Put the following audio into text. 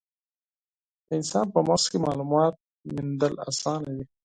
د انسان په مغز کې مالومات موندل اسانه وي.